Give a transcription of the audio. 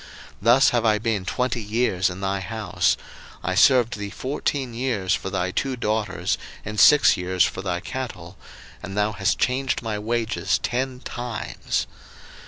01:031:041 Thus have I been twenty years in thy house; I served thee fourteen years for thy two daughters, and six years for thy cattle: and thou hast changed my wages ten times.